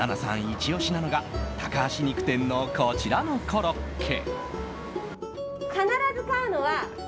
イチ押しなのが高橋肉店のこちらのコロッケ。